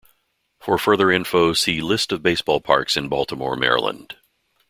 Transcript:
For further info see List of baseball parks in Baltimore, Maryland.